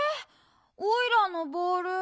おいらのボールない。